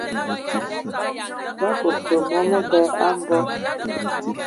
Ba fufudi mɔ məbɛ a mbog.